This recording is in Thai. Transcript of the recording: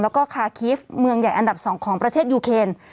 แล้วก็คาคีฟเมืองใหญ่อันดับ๒ของประเทศยูเคน